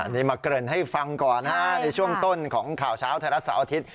นี่มาเกริ่นให้ฟังก่อนในช่วงต้นของข่าวเช้าไทยรัฐเสาร์อาทิตย